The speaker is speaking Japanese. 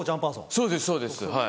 そうですそうですはい。